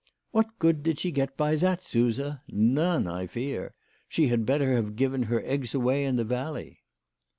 "What good did she get by that, Suse? None, I fear. She had better have given her eggs away in the valley."